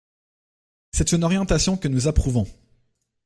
C’est une orientation que nous approuvons.